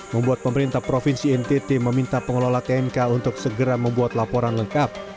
membuat pemerintah provinsi ntt meminta pengelola tnk untuk segera membuat laporan lengkap